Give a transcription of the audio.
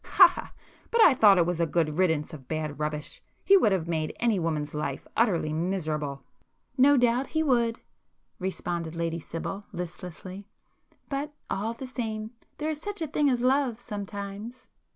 ha ha!—but I thought it was a good riddance of bad rubbish. He would have made any woman's life utterly miserable." "No doubt he would!" responded Lady Sibyl, listlessly; "But, all the same, there is such a thing as love sometimes."